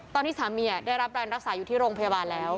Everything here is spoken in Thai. ตอนนี้สามีได้รับการรักษาอยู่ที่โรงพยาบาลแล้ว